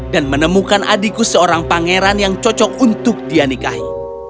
dan menemukan adikku seorang pangeran yang cocok untuk dia nikahi